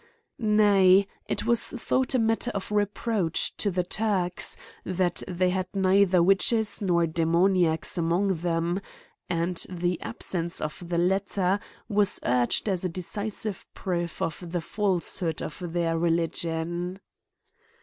Nay, it was thought a matter of reproach to the Turks, that they had neither witch es nor demoniacs among them ; and, the absence of the latter, was urged as a decisive proof of the falsehood of their religion.